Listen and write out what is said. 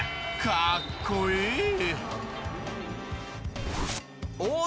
かっこいい！